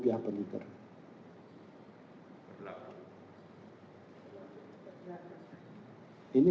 jika menggunakan barang ini